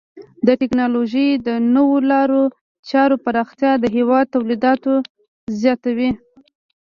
د ټکنالوژۍ د نوو لارو چارو پراختیا د هیواد تولیداتو زیاتوي.